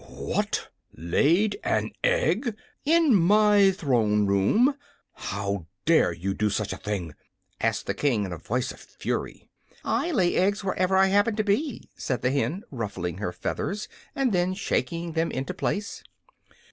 "What! Laid an egg! In my throne room! How dare you do such a thing?" asked the King, in a voice of fury. "I lay eggs wherever I happen to be," said the hen, ruffling her feathers and then shaking them into place.